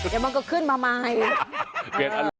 อย่ามองกับขึ้นมาใหม่